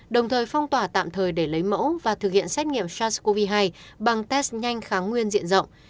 đồng thời phong tỏa tạm thời để lấy mẫu và thực hiện xét nghiệm sars cov hai bằng test nhanh kháng nguyên diện rộng